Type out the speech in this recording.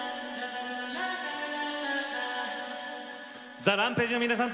ＴＨＥＲＡＭＰＡＧＥの皆さん